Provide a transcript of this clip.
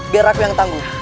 biar aku yang tanggung